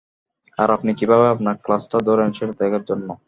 আর আপনি কীভাবে আপনার ক্লাচটা ধরেন, সেটা দেখার জন্য।